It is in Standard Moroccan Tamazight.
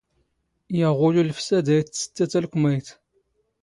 ⵢⴰⵖⵓⵍ ⵓⵍⴼⵙⴰ ⴷⴰ ⵉⵜⵜⵙⵜⵜⴰ ⵜⴰⵍⴽⵯⵎⴰⵢⵜ